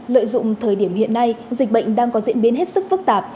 lợi dụng thời điểm hiện nay dịch bệnh đang có diễn biến hết sức phức tạp